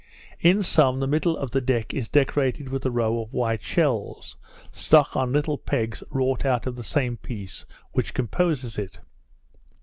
In some the middle of the deck is decorated with a row of white shells, stuck on little pegs wrought out of the same piece which composes it.